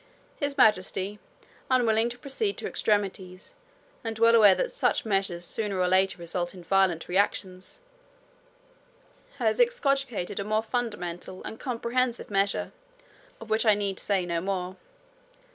His Majesty, unwilling to proceed to extremities, and well aware that such measures sooner or later result in violent reactions, has excogitated a more fundamental and comprehensive measure, of which I need say no more.